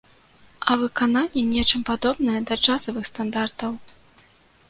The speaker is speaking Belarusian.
А выкананне нечым падобнае да джазавых стандартаў!